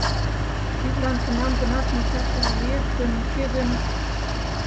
Тидлан кунам гынат мучашыже лиеш гын, уке гын?..